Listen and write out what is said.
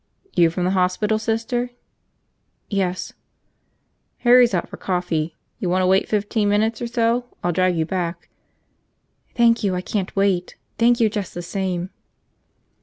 ... "You from the hospital, Sister?" "Yes." "Harry's out for coffee. You wanta wait fi'teen minutes or so, I'll drive you back." "Thank you, I can't wait. Thank you just the same."